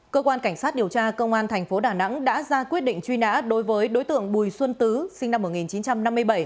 cơ quan cảnh sát điều tra công an thành phố đà nẵng đã ra quyết định truy nã đối với đối tượng bùi xuân tứ sinh năm một nghìn chín trăm năm mươi bảy